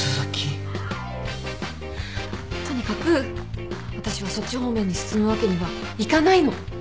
とにかく私はそっち方面に進むわけにはいかないの。